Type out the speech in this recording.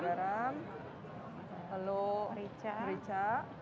garam telur merica